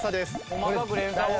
細かく連鎖を？